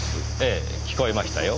ええ聞こえましたよ。